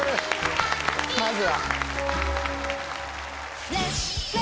まずは。